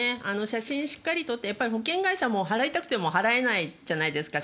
写真、しっかり撮ってやっぱり保険会社も払いたくても払えないじゃないですか。